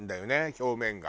表面が。